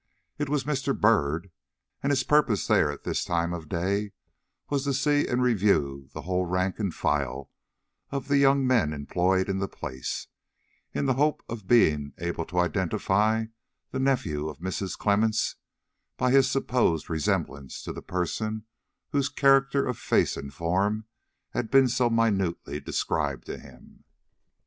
It was Mr. Byrd, and his purpose there at this time of day was to see and review the whole rank and file of the young men employed in the place, in the hope of being able to identify the nephew of Mrs. Clemmens by his supposed resemblance to the person whose character of face and form had been so minutely described to him.